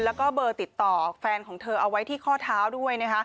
แล้วก็เบอร์ติดต่อแฟนของเธอเอาไว้ที่ข้อเท้าด้วย